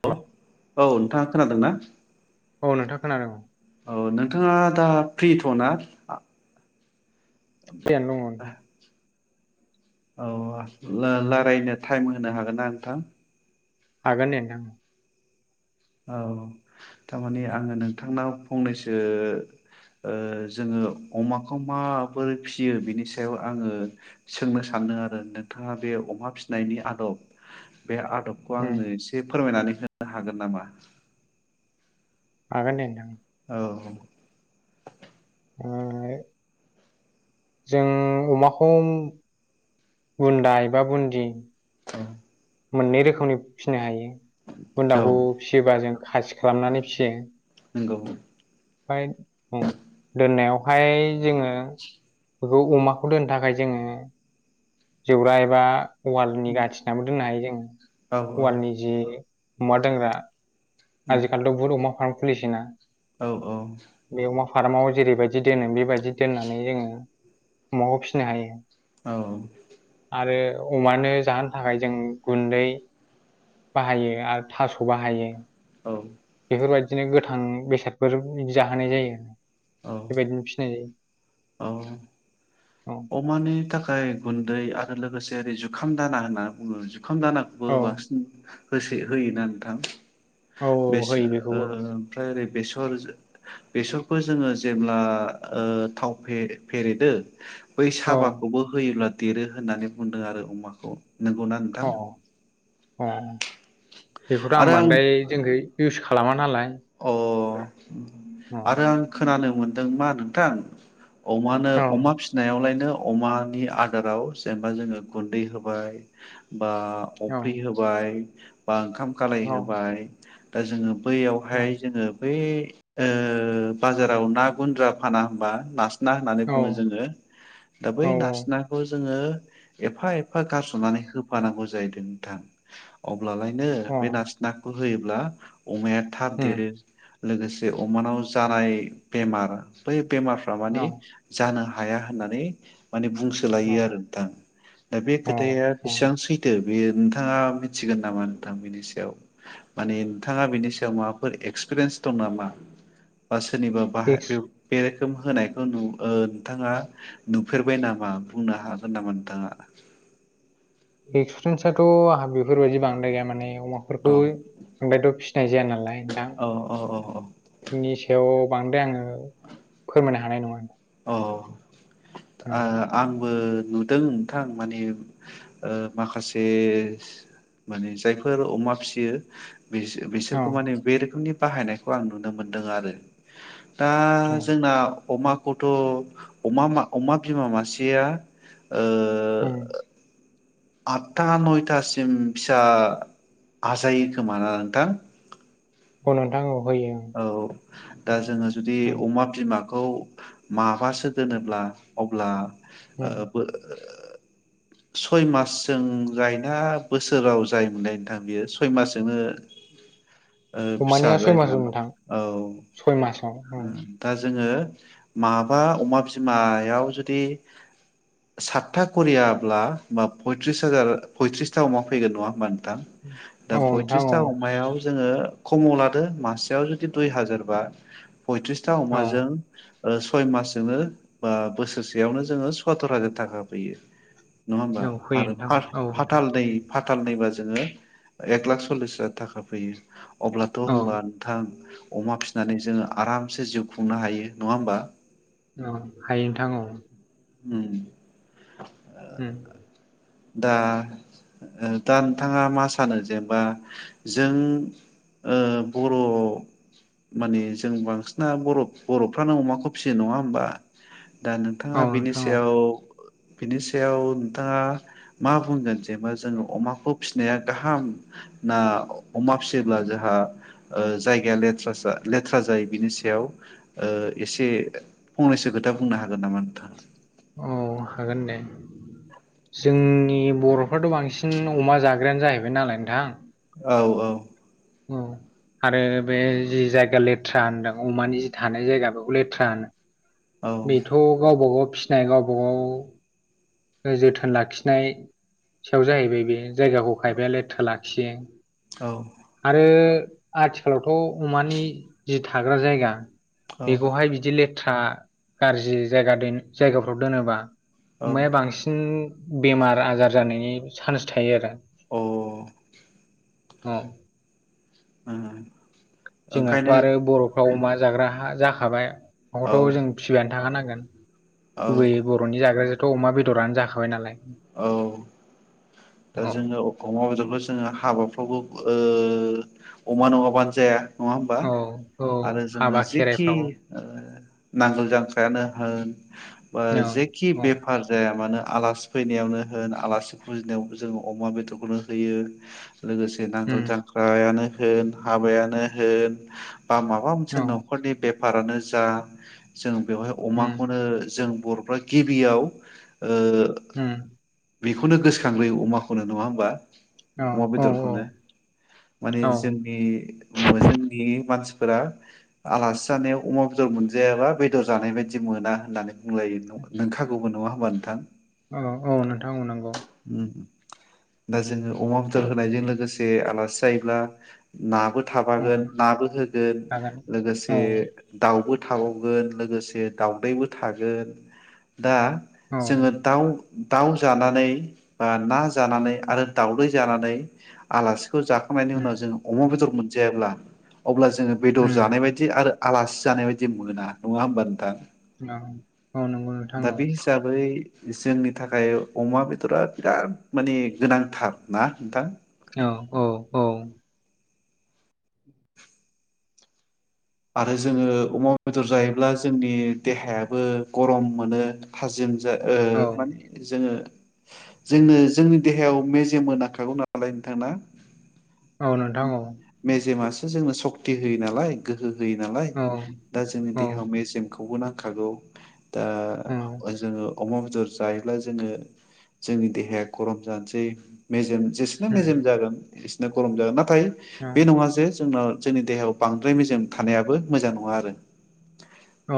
Hello hello औ नोंथाङा खोनादोंना? [inaudible] औ नोंथाङा खोनादों औ औ नोंथाङा दा प्रिथ' ना फ्रियानो दङ औ ला-लाराययनो टाइम होनो हागोन ना नोंथां? हागोन दे हा औ थारमानि आङो नोंथांनाव फंनैसो जोङो अमाखौ माबोरै फियो बिनि सायाव आङो सोंनो सानदों आरो नोंथाङा बे अमा फिनायनि आदब बे आदबखौ उम आंनो एसे फोरमायनानै होननो हागोन नामा? [inaudible] हागोन दे नोंथां। औ औ। [unintelligible] जों अमाखौ बुन्दा एबा बुन्दि औ। मोननै रोखोमनि फिसिनो हायो। औ बुन्दाखौ फिसियोबा जों खासि खालामनानै फियो। नंगौ। ओमफ्राय उम दोननायावहाय जोङो बेखौ अमाखौ दोननो थाखाय जोङो जौरा एबा वालनि गथिनाबो दोननो हायो औ जोङो। औ वालनि जि अमा दोनग्रा आजिखालिथ' बहुत अमा फार्म खुलिसैना? औ औ। बे अमा फार्माव जेरैबायदि दोनो बेबायदि दोननानै जोङो अमाखौ फिसिनो हायो। औ। आरो अमानो जाहोनो थाखाय जों गुन्दै बाहायो आरो थास' बाहायो। औ। बेफोरबायदिनो गोथां बेसादफोर जाहोनाय जायो। बेबायदिनो फिनाय जायो। औ। औ अमानि थाखाय गुन्दै लोगोसे ओरै जुखाम दाना होनना बुङो जुखाम दानाखौबो औ बांसिन होसो होयोना नोंथां? [unintelligible] औ होयो बेखौबो ओमफ्राय ओरै बेसर बेसरखौ जोङो जेब्ला ओ थाव फे फेरेदो बै औ साबाखौबो होयोमोन देरो होननानै बुंदों आरो अमाखौ, नंगौना औ नोंथां? अ। बेखौथ' आं बांद्राय जोंखै इउस खालामा नालाय। अह। औ आरोआं खोनानो मोनदों मा नोंथां अमानो औ अमा फिसिनायावलायनो अमानि आदाराव जेनबा जोङो गुन्दै होबाय- बा औ अफ्रि होबाय बा ओंखाम कालाय औ होबाय दा जोङो बै औ फाय जोङो बे ओ बाजाराव ना गुन्द्रा फाना होमबा नस ना होननानै औ बुङो जोङो दा बै औ नासनाखौ जोङो एफा एफ एफा गारसनानै होफानांगौ जाहैदो [unintelligible] अब्लालायनो औ अ बे नासि नाखौ होयोब्ला अमा या थाब उम देरो लोगोसे अमानाव जानाय बेमारा बै बेमारफ्रा मानि औ जानो हा हाया होननानै माने अ बुंसोलायोआरो नोंथां दा बे अ खोथाया अ बेसां सैथो बे नोंथाङा मिथिगोन नामा नोंथां बेनि सायाव माने नोंथाङा बेनि सा याव माबाफोर एगसपिरियेन्स दं नामा बा सो सोरनिबा बाहा फिक्स बे बे खोम होनायखो नु ओ नोंथाङा नुफेरबाय नामा बुंनो हागोन नामा नोंथाङा? एक्सपिरियेन्सआथ' आहा बेफोरबादि बांद्राय गोया माने अमा फोरखौ औ ओमफायथ' फिसिनाय जायानालाय दां औ औ औ औ बेनि सायाव बांद्राय आङो फोरमायनो हानायनङा अ ओ आंबो नुदों नोंथां माने ओ माखासे माने जायफोर अमा फियो बिसो औ बिसोरखौ माने बेरोखोमनि बाहायनायखौ आं नुनो मोनदों आरो दा उम जोंनाव अमा खौथ' अमा अमा बिमा मासेया ओम आतथा नयथासिम फिसा आजायो खोमाना ओ नोंथां औ नोंथां औ होयो औ दा जोङो जुदि ओं उम अमा बिमा खौ माबासो दोनोब्ला अब्ला उम [unintelligible] सय मासजों जायोना बोसोराव जायो मोनलाय नोंथां बियो सय मासजोंनो ओ फिसा अमानिया सय जायोमोन मास नामा नोंथां औ सय मासाव औ दा जोङो माबा अमा बिमायाव जुदि सातथा करिया ब्ला माब पयट्रिसहाजार पयट्रिसथा अमा फैगोन नङा होनबा? [unintelligible] दा औ नोंथां औ फयथ्रिसथा अमायाव जोङो खमाव लादो मासेयाव जुदि दुइ हाजारबा पयथ्रिसथा औ अमाजों ओ सय मासजोंनो बा बोसोरसेयावनो जोङो सथुर हाजार थाखा फैयो नङा होमबा औ फैयो आरो नोंथां औ फाथाल नोंथां दै फाथाल दैै बासो जोङो एक लाख सललिस हाजार थाखा फैयो अब्लाथ' औ होनबा नोंथां अमा फिसिनानै जोङो आरामसे जिउ खुंनो हायो नङा होमबा? औ हायो नोंथां औ उम ओम दा दा नोंथाङा मा सानो जेनेबा जों ओ बर' माने जों बांसिना बर बर'फ्रानो अमाखौ फिसियो नङा होमबा? दा नोंथाङा औ बिनि नोंथां औ सायाव बिनि सायाव नोंथाङा मा बुंगोन जेनेबा जोङो अमाखौ फिसिनाया गाहाम ना अमा फिसियोब्ला जोंहा जायगायालेथ्रा लेथ्रा जायो बिनि सायाव एसे फंनैसो खोथा बुंनो हागोन नामा नोंथाङा? औ हागोन दे जोंनि बर'फ्राथ' बांसिन अमा जाग्रायानो जाहैबाय नालाय नोंथां औ औ औ आरो बे जि जायगा लेथ्रा होनदों अमानि जि थानाय जायगा बेखौ लेथ्रा होनो औ बेथ' गावबा गाव फिसिनाय गावबा गाव जोथोन लाखिनाय सायाव जाहैबाय बे जायगाखौ खायफाया लेथ्रा लाखियो औ [inaudible] आरो आथिखालावथ' अमानि जि थाग्रा जायगा बेखौहाय बिदि ले था गाज्रि जायगा दै जायगाफ्राव दोनोबा औ अमाया बांसि उम्म बेमार आजार जानायनि चान्स थायो आरो । अ । औ। ओ जोंहाथ' आरो बर'फ्राव अमा जाग्रा हा जाखाबाय । औ न'आवथ' जों फिबायानो थाखा नांगोन । [inaudible] औ गुबै बर'नि जाग्रा थ' अमा बेदरानो जाखाबाय नालाय । औ । दा औ जोङो अमा बेदरखौ जोङो हाबाफ्रावबो ओ ओ अमा नङाबानो जाया । नङा होमबा औ औ आरो जोङो हाबा जिखि खेराइफ्राव ओ नांगोल जांख्रायानो होन बा औ जेखि औ बेफार जाया मानो आलासि फैनायावनो होन आलासि फुजिनायाव जों अमा बेदरखौनो होयो । लोगोसे नांगोल उम जांख्रायानो होन हाबायानो होन बा माबा मोनसे औ न'खरनि बे [unintelligible] जा जोम बेवहाय उम अमाखौनो जों बर' गिबियाव ओ उम बेखौनो गोसोखांग्रोयो । अमाखौनो नङा होमबा औ । अमा औ बेदरखौनो माने औ जोंनि जोंनि मानसि फोराआ आलासि जानायाव अमा बेदर मोनजायाबा बेदर जानाय बायदि मोना होननानै बुंलायो नोंखागौबो नङा होमबा नोंथां? औ औ नोंथां नोंगौ । दा जोङो अमा बेदर होनायजों लोगोसे आलासि जायोब्ला नाबो औ थाफागोन नाबो होगोन हागोन लोगोसे औ दाउबो थाबावगोन लोगोसे दावदैबो थागोन। दा औ जोङो दाउ दाउ जानानै बा ना जानानै आरो दावदै जानानै आलासि खौ जाखांनायनि उम उनाव जोङो अमा बेदर मोन जेब्ला अब्ला जोङो बेदर उम जानाय बायदि आरो आलासि जानाय बायदि मोना नङा होमबा नोंथां। औ औ नंगौ नोंथां दा औ। बे हिसाबै जोंनि थाखाय अमा बेदरा बिराद माने गोनांथार ना नोंथां। औ औ औ। आरो जोङो अमा बेदर जायोब्ला जोंनि देहायाबो गरम मोनो थाजिम जा ओ औ माने जोङो जोंनो जोंनि देहायाव मेजेमबो नाखांगौ नालाय नोंथां ना? औ नोंथां औ। मेजेमासो जोंनो सकति होयो नालाय। गोहो। होयो नालाय औ दा जोंनि औ देहायाव मेजेमखौ खौबो नांखागौ। दा उम औ जोङो अमा बेदर जायोब्ला जोङो जोंनि देहाया गरम जानोसै मेजेम जेसोनो मेजेम जागोन इस नो गरम जागोन ना थाय बे नङा जे जोंनाव जोंनि देहायाव बां द्राय मेजेम थानायाबो मोजां नङा आरो।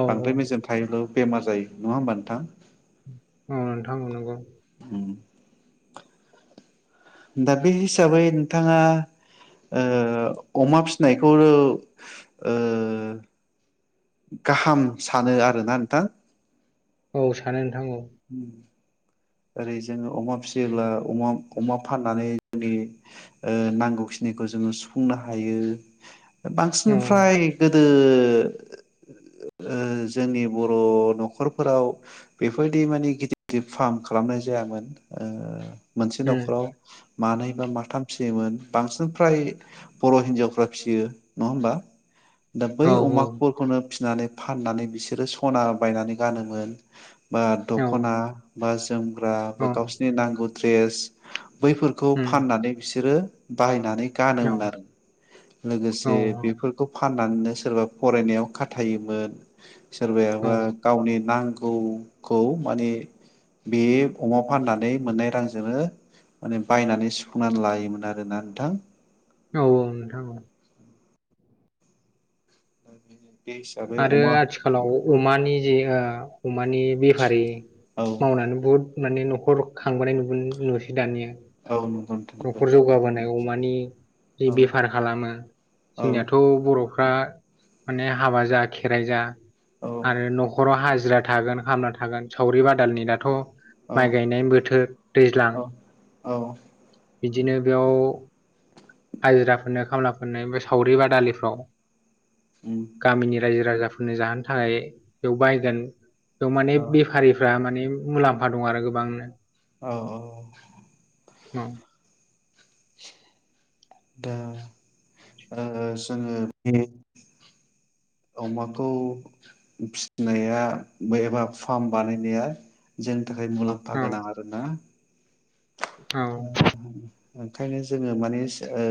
औ बांद्राय मेजेम थायोब्लाब बेमार जायो नङा होमबा नोंथां? औ नोंथां नोंगौ। उम। दा बे हिसाबै नोंथाङा ओ अमा फिनायखौ ओ गाहाम सानो आरोना नोंथां? औ सानो नों [inaudible] ओरै जोङो अमा फिसियोब्ला अमा अमा फाननानै जोंनि नांगौखिनिखौ जोङो सुफुंनो हायो। औ बांसिनफ्राय गोदो जोंनि बर' न'खरफोराव बेबायदि माने गिदिर गिदिर फार्म खालाम खालामनाय जायामोन। मोनसे उम न'खराव मानैबा माथाम फिसियोमोन बांसिन फ्राय बर' हिनजावफ्रा फियो नङा होमबा दा औ बै अमाफोरखौनो नानै फाननानै बिसोरो सना बायनानै गानोमोन। बा औ दख'ना बा जो जोम ग्रा औ गावसिनि नांगौ ड्रेस बैफोरखौ उम फाननानै बिसोरो बाहायनानै औ गानोमोन आरो औ लोगोसे बेफोरखौ फान नो सोरबा फरायनायाव खाथायोमोन। औ सोरबायायााबा गावनि नांगौ गखौ माने बे अमा फाननानै मोननाय रांजोंनो माने बायनानै सुफुंनानै लायोमोन आरोना नोंथां। औ औ नोंथां बे हिसाबै आरो अमा आथिखालाव अमानि जि अमानि बेफारि औ मावनानै बहुद माने न'खर खांबोनाय नुब नुसै दानिया। [unintelligible] माने जि औ बेफार खालामो औ जोंनियाथ' बर' फ्रा माने हाबा ज जा खेराइ जा औ आरो न'खराव हाजो। हाजिरा थागोन खामला थागोन सावरि बादालनि दाथ' औ माइ गायनाय बोथोर दैज्लां औ औ बिदिनो बेयाव हाजिराफोरनो खामलाफोरनो बे सावरि बादालिफ्राव उम गामिनि रायजो राजाफोरनो जाहोनो थाखाय बेयाव बायगोन थ माने औ बेफारिफ्रा माने मुलाम्फा दं आरो गोबांनो औ औ ओम दा ओ जोङो बे अमाखौ फिसिनाया एबा फार्म बानायनाया जों थाखाय औ मुलाम्फा गोनां आरो ना औ ओंखायनो जोङो माने ओ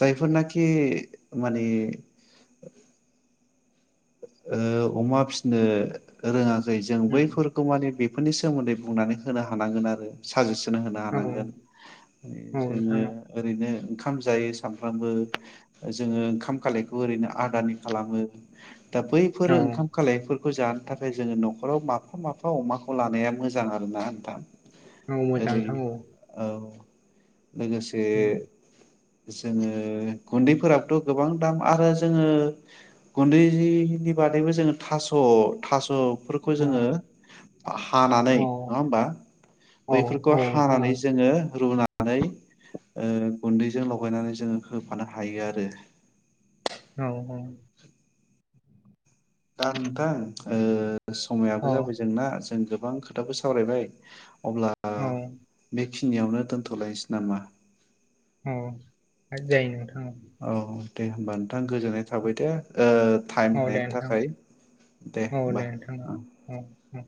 जायफोरनाखि माने ओ अमा फिनो रोङा खै जों उम बैफोरखौ माने बे फोरनि सोमोन्दै बुंनानै होनो हानांगोन आरो साजेस होनो औ औ हानांगोन माने जोङो नोंथां ओरैनो ओंखाम जायो सामफ्रामबो जोङो ओंखाम खालायखौ ओरैनो आदानि खालामो दा बैफोर औ ओंखाम खालायफोर खौ जानो थाखाय जोङो न'खराव माफा माफा अमाखौ लानाया मोजां आरो ना नोंथां। आंबो मोजां ओरै नोंथां औ औ लोगोसे उम जोङो गुन्दैफोराबोथ' गोबां दाम आरो जोङो गुन्दै नि बादैबो जोङो थास' थास' फोरखौ जोङो हानानै औ नङा होनबा औ बैफोरखौ औ नोंथां औ हानानै जोङो रुनानै ओ गुन्दै जों लगायनानै जोङो होफानो हायो आरो। औ औ दा नोंथां ओ समायाबो औ जाबाय जोंना जों गो बां खोथाफोर सावरायबाय अब्ला औ बे खिनियावनो दोनथ'लायसै नामा। ओम हा जायो नोंथां औ दे होमबा नोंथां गोजोननाय थाबाय दे ओ टाइम औ दे होनायनि नोंथां थाखाय दे औ होनबा नोंथां ओं औ औ